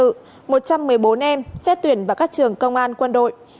một trăm một mươi bốn em xét tuyển vào các trường công an quân đội